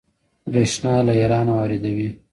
بریښنا له ایران واردوي